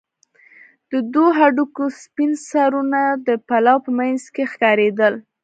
د دوو هډوکو سپين سرونه د پلو په منځ کښې ښکارېدل.